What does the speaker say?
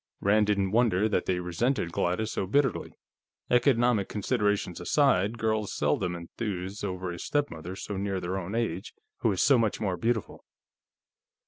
Rand didn't wonder that they resented Gladys so bitterly; economic considerations aside, girls seldom enthuse over a stepmother so near their own age who is so much more beautiful.